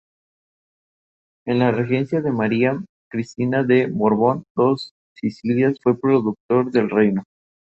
Las diminutas flores, de color malva, aparecen en verano.